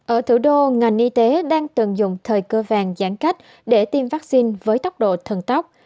ở thủ đô ngành y tế đang tận dụng thời cơ vàng giãn cách để tiêm vaccine với tốc độ thần tóc